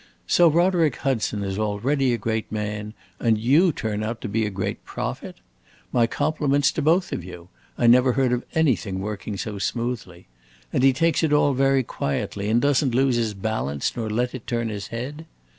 So Roderick Hudson is already a great man, and you turn out to be a great prophet? My compliments to both of you; I never heard of anything working so smoothly. And he takes it all very quietly, and does n't lose his balance nor let it turn his head?